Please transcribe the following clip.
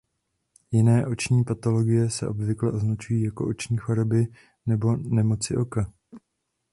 Jiné oční patologie se obvykle označují jako oční choroby nebo nemoci oka.